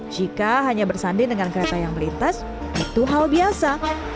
jika hanya bersanding dengan kereta yang melintas itu hal biasa